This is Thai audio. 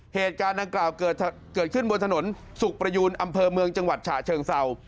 เหตุการณ์ดังกล่าวเกิดขึ้นบนถนนสุขประยูนอำเภอเมืองจังหวัดฉะเชิงเศร้า